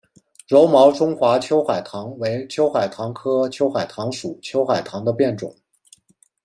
柔毛中华秋海棠为秋海棠科秋海棠属秋海棠的变种。